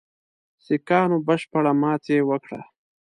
سیکهانو بشپړه ماته وکړه.